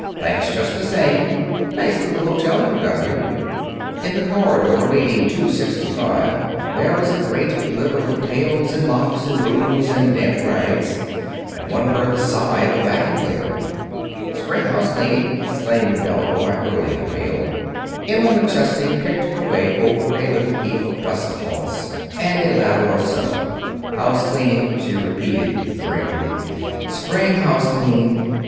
Thanks just the same. Nice little hotel you've got here." In the corridor leading to sixty five there was a great litter of pails, and mops, and brooms, and damp rags, and one heard the sigh of a vacuum cleaner. "Spring house cleaning," explained the bellboy, hurdling a pail. Emma McChesney picked her way over a little heap of dust cloths and a ladder or so. "House cleaning," she repeated dreamily; "spring house cleaning."